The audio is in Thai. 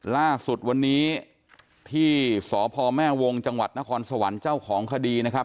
ล่าสุดวันนี้ที่สพแม่วงจังหวัดนครสวรรค์เจ้าของคดีนะครับ